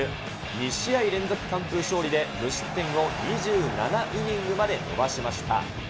２試合連続完封勝利で、無失点を２７イニングまで伸ばしました。